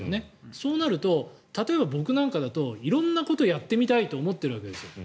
そうなると例えば僕なんかだと色んなことやってみたいと思っているわけですよ。